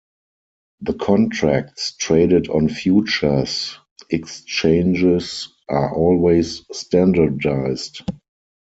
The contracts traded on futures exchanges are always standardized.